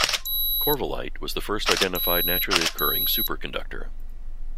Covellite was the first identified naturally occurring superconductor.